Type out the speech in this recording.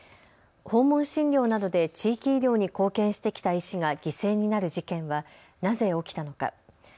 訪問診療などで地域医療に貢献してきた医師が犠牲になる事件はなぜ起きたのか。